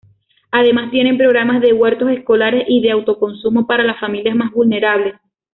Además, tiene programas de Huertos Escolares y de autoconsumo para las familias más vulnerables.